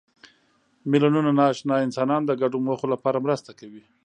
میلیونونه ناآشنا انسانان د ګډو موخو لپاره مرسته کوي.